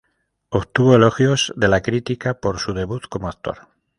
Obtuvo elogios de la crítica por su debut como actor.